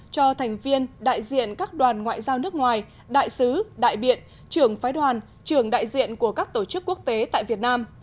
cho thành viên đại diện các đoàn ngoại giao nước ngoài đại sứ đại biện trưởng phái đoàn trưởng đại diện của các tổ chức quốc tế tại việt nam